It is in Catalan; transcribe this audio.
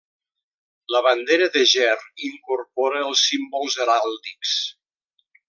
La bandera de Ger incorpora els símbols heràldics.